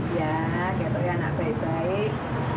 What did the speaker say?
ya kayak tuknya anak baik baik